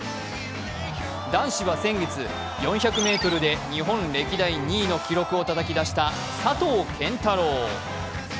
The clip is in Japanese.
男子は先月、４００ｍで日本歴代２位の記録をたたき出した佐藤拳太郎。